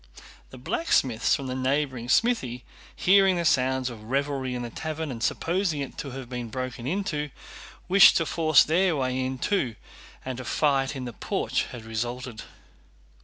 The blacksmiths from a neighboring smithy, hearing the sounds of revelry in the tavern and supposing it to have been broken into, wished to force their way in too and a fight in the porch had resulted.